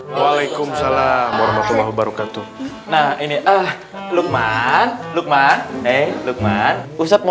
waalaikumsalam warahmatullahi wabarakatuh nah ini ah lukman lukman eh lukman ustadz mau